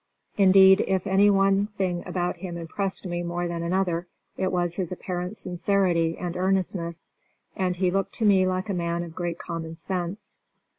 Indeed, if any one thing about him impressed me more than another, it was his apparent sincerity and earnestness. And he looked to me like a man of great common sense.